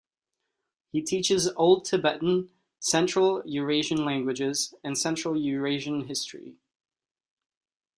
He teaches Old Tibetan, Central Eurasian languages, and Central Eurasian history.